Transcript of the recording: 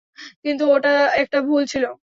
কিন্তু ওটা একটা ভুল ছিল।